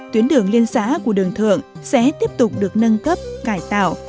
tuyến đường liên xã của đường thượng sẽ tiếp tục được nâng cấp cải tạo